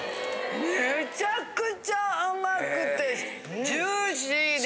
めちゃくちゃ甘くてジューシーで。